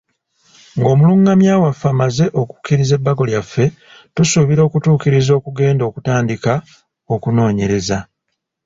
Ng'omulungamya waffe amaze okukkiriza ebbago lyaffe, tusuubira okutukkiriza okugenda okutandika okunoonyereza.